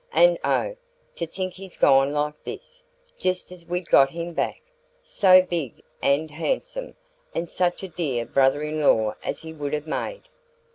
And oh, to think he's gone like this, just as we'd got him back SO big and handsome, and such a DEAR brother in law as he would have made!"